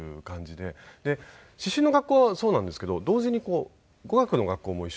で刺繍の学校はそうなんですけど同時に語学の学校も一緒に行っていて。